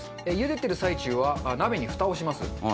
茹でてる最中は鍋にふたをします。